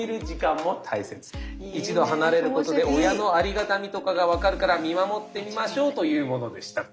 「一度離れることで親のありがたみとかがわかるから見守ってみましょう」というものでした。